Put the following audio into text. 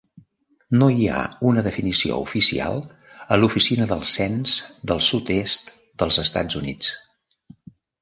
No hi ha una definició oficial a l'Oficina del Cens del sud-est dels Estats Units.